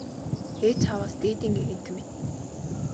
Ээ чааваас дээдийн гэгээнтэн минь!